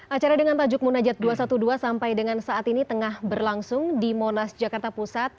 acara dengan tajuk munajat dua ratus dua belas sampai dengan saat ini tengah berlangsung di monas jakarta pusat